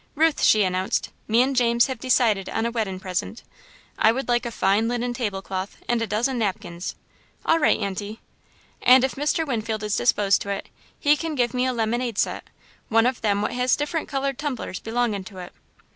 "Ruth," she announced, "me and James have decided on a weddin' present. I would like a fine linen table cloth and a dozen napkins." "All right, Aunty." "And if Mr. Winfield is disposed to it, he can give me a lemonade set one of them what has different coloured tumblers belongin' to it."